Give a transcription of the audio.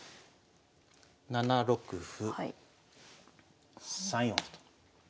７六歩３四歩と。